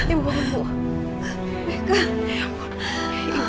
ibu minum dulu ya